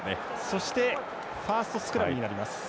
そしてファーストスクラムになります。